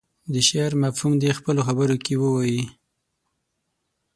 د شعر مفهوم دې په خپلو خبرو کې ووايي.